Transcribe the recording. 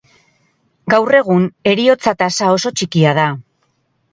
Gaur egun, heriotza-tasa oso txikia da.